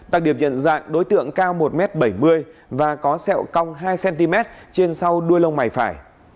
đặc điểm nhận dạng đối tượng cao một m bảy mươi và có sẹo cong hai cm trên sau đuôi lông mày phải